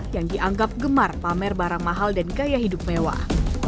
yang dianggap gemar pamer barang mahal dan gaya hidup mewah